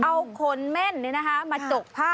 เอาขนแม่นเนี่ยนะคะมาจกผ้า